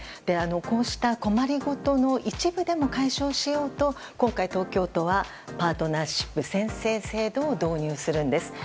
こうした困り事の一部でも解消しようと今回、東京都はパートナーシップ宣誓制度を導入するんです。